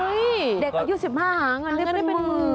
เฮ้ยเด็กอายุ๑๕ห้างงั้นได้เป็นหมื่น